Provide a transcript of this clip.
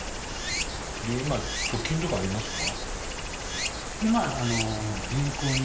今、貯金とかありますか？